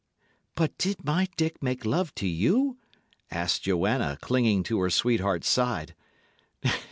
"But did my Dick make love to you?" asked Joanna, clinging to her sweetheart's side.